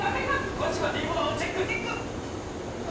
詳しくはｄボタンをチェック！